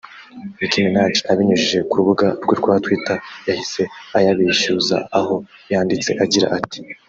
Nicki Minaj abinyujije ku rubuga rwe rwa twitter yahise ayabeshyuza aho yandite agira ati